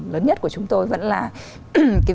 lớn nhất của chúng tôi vẫn là